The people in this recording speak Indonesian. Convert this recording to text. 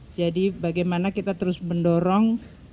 jadi bagaimana kita terus mendorong